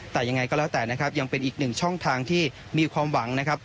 แต่ยังไงก็แล้วแต่นะครับยังเป็นอีกหนึ่งช่องทางที่มีความหวังนะครับ